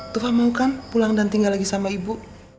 tuhan mau kan pulang dan tinggal lagi sama ibu